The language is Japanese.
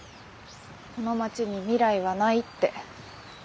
この町に未来はないって。